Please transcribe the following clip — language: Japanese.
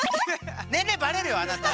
年齢バレるよあなた！